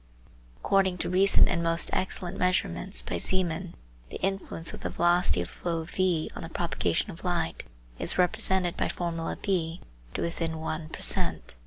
According to recent and most excellent measurements by Zeeman, the influence of the velocity of flow v on the propagation of light is represented by formula (B) to within one per cent.